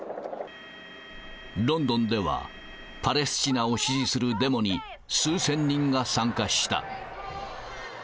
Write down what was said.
ロンドンでは、パレスチナを支持するデモに数千人が参加した。